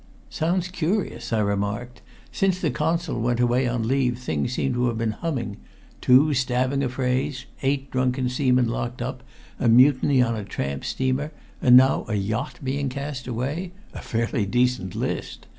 "Sounds curious," I remarked. "Since the Consul went away on leave things seem to have been humming two stabbing affrays, eight drunken seamen locked up, a mutiny on a tramp steamer, and now a yacht being cast away a fairly decent list!